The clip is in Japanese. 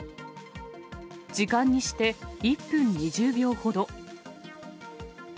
時間にして１分２０秒ほど。